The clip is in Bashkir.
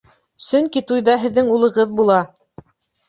Сөнки туйҙа һеҙҙең улығыҙ була!